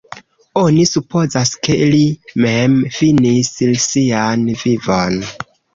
Oni supozas, ke li mem finis sian vivon.